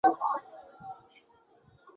晚年生活凄苦。